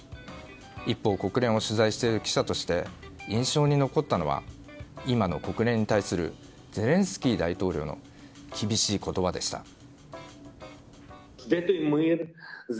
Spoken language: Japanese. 一方、国連を取材している記者として印象に残ったのは今の国連に対するゼレンスキー大統領の厳しい言葉でした。